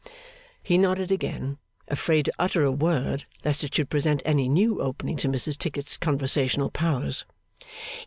He nodded again; afraid to utter a word, lest it should present any new opening to Mrs Tickit's conversational powers.